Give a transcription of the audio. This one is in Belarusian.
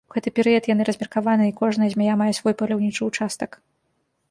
У гэты перыяд яны размеркаваныя, і кожная змяя мае свой паляўнічы ўчастак.